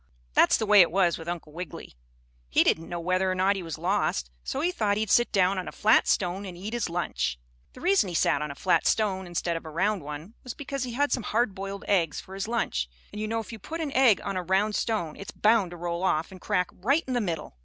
That's the way it was with Uncle Wiggily, he didn't know whether or not he was lost, so he thought he'd sit down on a flat stone and eat his lunch. The reason he sat on a flat stone instead of a round one was because he had some hard boiled eggs for his lunch, and you know if you put an egg on a round stone it's bound to roll off and crack right in the middle.